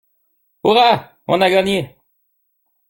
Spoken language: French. Hourra! On a gagné!